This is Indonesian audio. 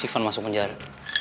sivan masuk penjara